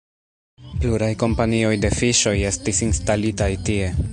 Pluraj kompanioj de fiŝoj estis instalitaj tie.